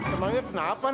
temennya kenapa nan